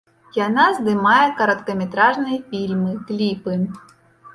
Яна здымае кароткаметражныя фільмы, кліпы.